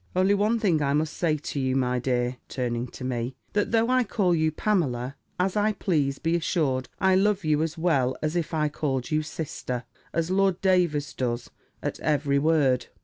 Only one thing I must say to you, my dear," turning to me, "that though I call you Pamela, as I please, be assured, I love you as well as if I called you sister, as Lord Davers does, at every word."